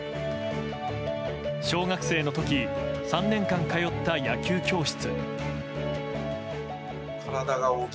小学生の時３年間通った野球教室。